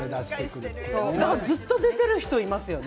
ずっと出てる人いますよね。